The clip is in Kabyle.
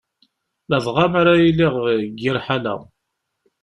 Ladɣa mi ara yiliɣ deg yir lḥala.